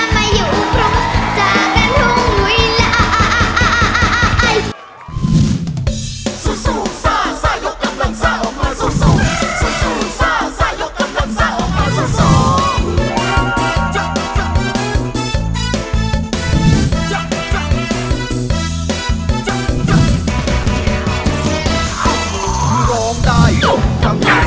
มาอยู่พร้อมจากกระทุ่งเวลา